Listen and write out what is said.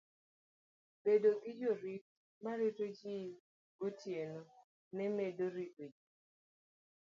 Bedo gi jorit ma rito ji gotieno ne medo rito ji